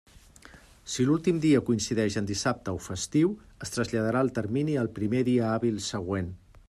Si l'últim dia coincideix en dissabte o festiu, es traslladarà el termini al primer dia hàbil següent.